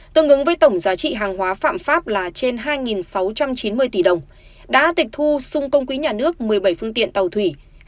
tương ứng với tổng giá trị hàng hóa phạm pháp là trên hai sáu trăm chín mươi tỷ đồng đã tịch thu xung công quỹ nhà nước một mươi bảy phương tiện tàu thủy